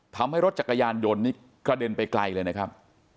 ทำให้รถจักรยานยนต์นี่กระเด็นไปไกลเลยนะครับ